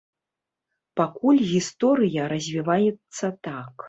Пакуль гісторыя развіваецца так.